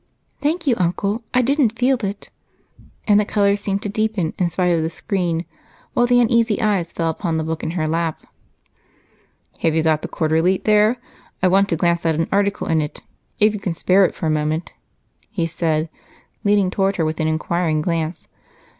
"Thank you, Uncle. I didn't feel it." And the color seemed to deepen in spite of the screen while the uneasy eyes fell upon the book in her lap. "Have you got the Quarterly there? I want to glance at an article in it if you can spare it for a moment," he said, leaning toward her with an inquiring glance.